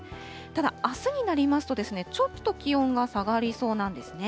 ただ、あすになりますと、ちょっと気温が下がりそうなんですね。